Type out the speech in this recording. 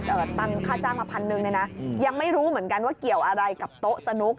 ตังค่าจ้างมาพันหนึ่งเนี่ยนะยังไม่รู้เหมือนกันว่าเกี่ยวอะไรกับโต๊ะสนุก